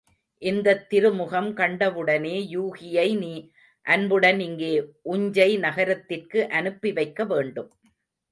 இந்தத் திருமுகம் கண்டவுடனே யூகியை நீ அன்புடன் இங்கே, உஞ்சை நகரத்திற்கு அனுப்பி வைக்க வேண்டும்.